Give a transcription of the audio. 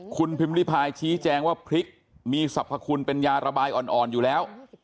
คุณพิมพิพายชี้แจงว่าพริกมีสรรพคุณเป็นยาระบายอ่อนอยู่แล้ว